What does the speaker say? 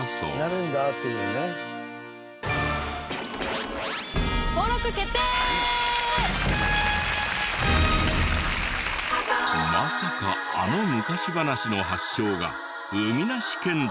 まさかあの昔話の発祥が海なし県だった！？